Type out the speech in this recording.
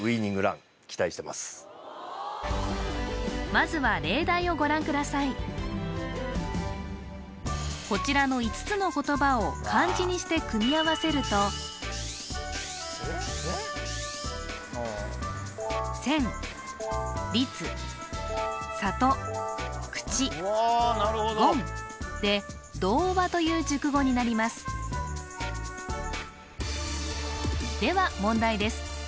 まずはこちらの５つの言葉を漢字にして組み合わせると千立里口言で童話という熟語になりますでは問題です